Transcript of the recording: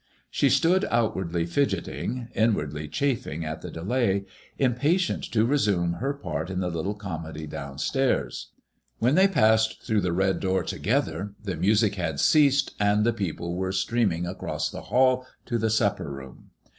She stood outwardly fidget ing, inwardly chafing at the delay, impatient to resume her part in the little comedy down stairs. When they passed through 15a MADBIfOISBLLB IXS. the red door together the music had ceased, and the people were streaming across the hall to the supper room.